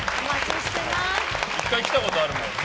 １回来たことあるもんね。